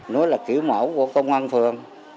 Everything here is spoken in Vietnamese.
nó là kiểu mẫu của công an phường